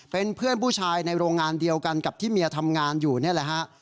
เป็นเพื่อนผู้ชายในโรงงานเดียวกันกับที่เมียทำงานอยู่นี่แหละฮะ